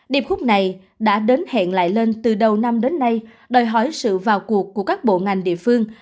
điệp khúc này đã đến hẹn lại lên từ đầu năm đến nay đòi hỏi sự vào cuộc của các bộ ngành địa phương